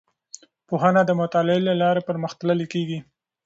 پوهنه د مطالعې له لارې پرمختللې کیږي.